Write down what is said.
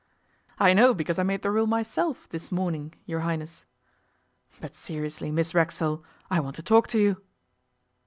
'I know because I made the rule myself this morning, your Highness.' 'But seriously, Miss Racksole, I want to talk to you.